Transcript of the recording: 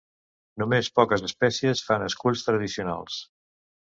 Només poques espècies fan esculls tradicionals.